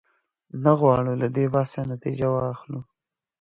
نه غواړو له دې بحثه نتیجه واخلو.